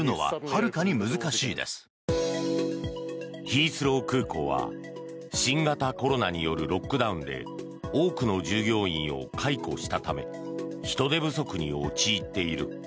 ヒースロー空港は新型コロナによるロックダウンで多くの従業員を解雇したため人手不足に陥っている。